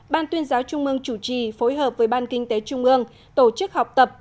ban tuyên giáo trung ương chủ trì phối hợp với ban kinh tế trung ương tổ chức học tập